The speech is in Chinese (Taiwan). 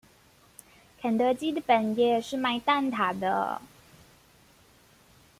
肯德基的本業是賣蛋塔的